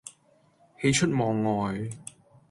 喜出望外